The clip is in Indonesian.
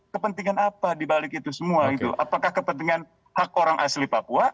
kepentingan apa dibalik itu semua itu apakah kepentingan hak orang asli papua